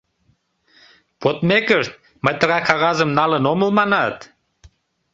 Подмекышт, «мый тыгай кагазым налын омыл» манат...